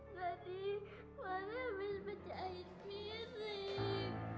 tadi mama ambil baju air mirip